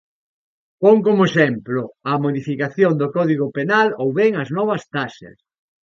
Pon como exemplo "a modificación do código penal ou ben as novas taxas".